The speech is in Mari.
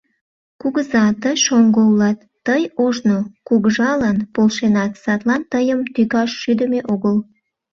Кугыза, тый шоҥго улат, тый ожно кугыжалан полшенат, садлан тыйым тӱкаш шӱдымӧ огыл.